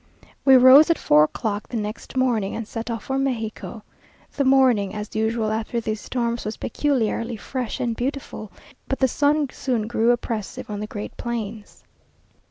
We rose at four o'clock the next morning and set off for Mexico. The morning, as usual after these storms, was peculiarly fresh and beautiful; but the sun soon grew oppressive on the great plains.